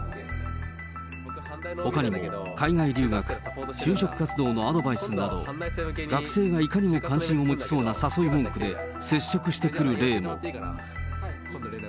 ほかにも、海外留学、就職活動のアドバイスなど、学生がいかにも関心を持ちそうな誘い文句で接触してくる例も。